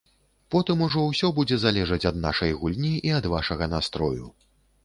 Потым ужо ўсё будзе залежаць ад нашай гульні і ад вашага настрою.